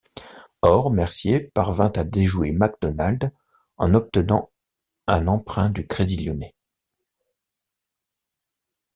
Or Mercier parvint à déjouer MacDonald en obtenant un emprunt du Crédit lyonnais.